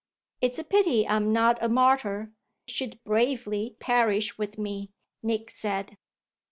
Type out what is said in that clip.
"It's a pity I'm not a martyr she'd bravely perish with me," Nick said.